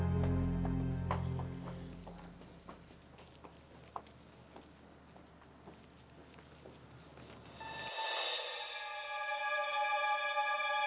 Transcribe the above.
aku akan mencari tuhan